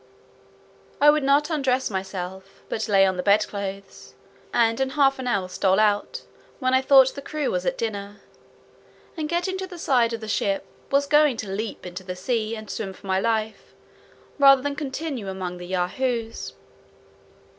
I would not undress myself, but lay on the bed clothes, and in half an hour stole out, when I thought the crew was at dinner, and getting to the side of the ship, was going to leap into the sea, and swim for my life, rather than continue among Yahoos.